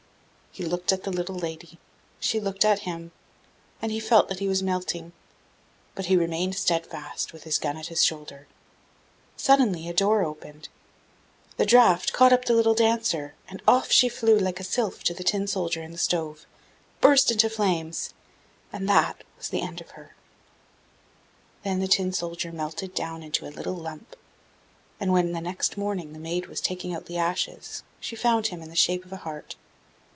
He looked at the little lady, she looked at him, and he felt that he was melting; but he remained steadfast, with his gun at his shoulder. Suddenly a door opened, the draught caught up the little Dancer, and off she flew like a sylph to the Tin soldier in the stove, burst into flames and that was the end of her! Then the Tin soldier melted down into a little lump, and when next morning the maid was taking out the ashes, she found him in the shape of a heart.